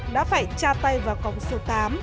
đã phải tra tay vào cổng số tám